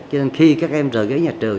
cho nên khi các em rời ghế nhà trường